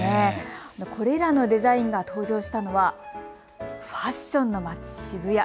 これらのデザインが登場したのはファッションの街、渋谷。